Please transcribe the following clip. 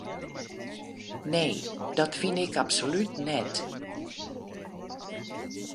Nee, dat fyn ik absolút net.